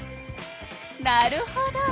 なるほど！